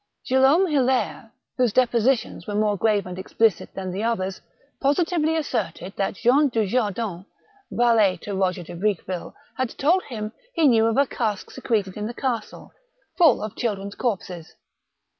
Guillaume Hilaire, whose depositions were more grave and explicit than the others, positively asserted that Jean Dnjardin, valet to Eoger de Briqueville had told him he knew of a cask secreted in the castle, full of children's corpses.